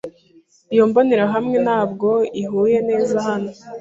Iyi mbonerahamwe ntabwo ihuye neza hano.